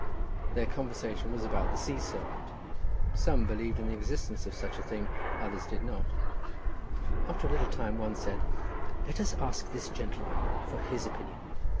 Their conversation was about the sea serpent; some believed in the existence of such a thing, others did not—after a little time one said, "Let us ask this gentleman for his opinion."